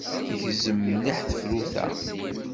Tgezzem mliḥ tefrut-a.